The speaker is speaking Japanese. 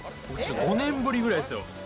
５年ぶりぐらいですよ。